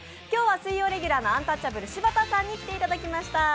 今日は水曜レギュラーのアンタッチャブル・柴田さんに来ていただきました。